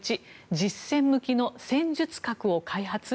１実践向きの戦術核を開発？